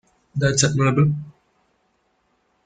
That's admirable